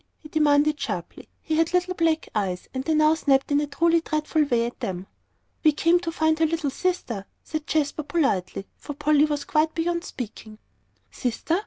he demanded sharply. He had little black eyes, and they now snapped in a truly dreadful way at them. "We came to find her little sister," said Jasper, politely, for Polly was quite beyond speaking. "Sister?